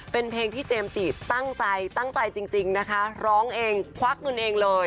เป็นเพลงที่เจมส์จีบตั้งใจตั้งใจจริงนะคะร้องเองควักเงินเองเลย